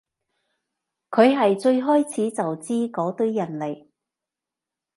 佢係最開始就知嗰堆人嚟